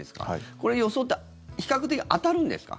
これ、予想って比較的当たるんですか？